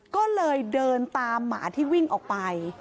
ก็เลยเดินตามหมาที่วิ่งออกไป